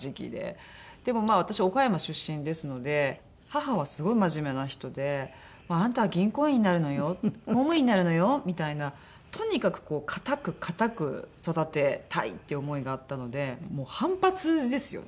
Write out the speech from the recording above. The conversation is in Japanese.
でも私岡山出身ですので母はすごい真面目な人で「あんたは銀行員になるのよ」「公務員になるのよ」みたいなとにかくこう堅く堅く育てたいっていう思いがあったのでもう反発ですよね。